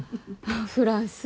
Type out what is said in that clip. フランス？